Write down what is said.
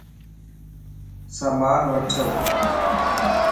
سامان وٺ